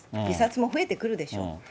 自殺も増えてくるでしょう。